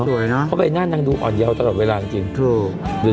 สวยเนอะเพราะว่าไอ้หน้านางดูอ่อนเยาว์ตลอดเวลาจริงจริงถูกดูดิ